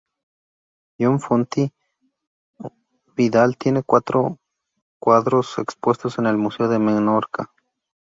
Joan Font i Vidal tiene cuatro cuadros expuestos en el museo de Menorca.